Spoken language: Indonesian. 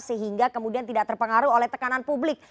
sehingga kemudian tidak terpengaruh oleh tekanan publik